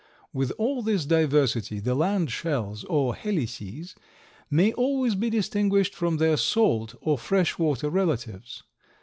With all this diversity the land shells or helices may always be distinguished from their salt or fresh water relatives.